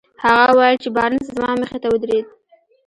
هغه وويل چې بارنس زما مخې ته ودرېد.